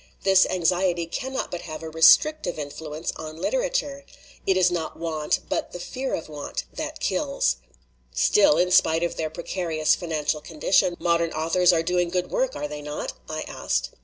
This anxiety cannot but have a restrictive influence on literature. It is not want, but the fear of want, that kills." "Still, in spite of their precarious financial con dition, modern authors are doing good work, are they not?" I asked.